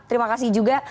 terima kasih juga